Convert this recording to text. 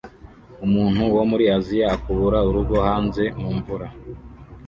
Umuntu wo muri Aziya akubura urugo hanze mumvura